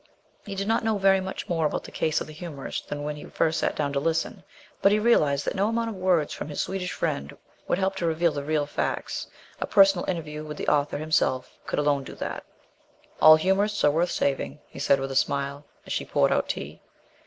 He did not know very much more about the case of the humorist than when he first sat down to listen; but he realized that no amount of words from his Swedish friend would help to reveal the real facts. A personal interview with the author himself could alone do that. "All humorists are worth saving," he said with a smile, as she poured out tea.